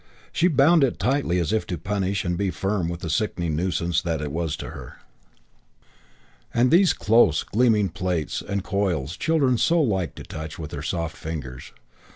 She bound it tightly as if to punish and be firm with the sickening nuisance that it was to her. And these close, gleaming plaits and coils children also liked to touch with their soft fingers.